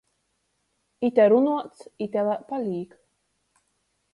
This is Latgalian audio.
Ite runuots, ite lai palīk.